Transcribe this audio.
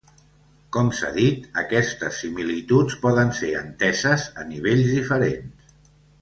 Com s'ha dit, aquestes similituds poden ser enteses a nivells diferents.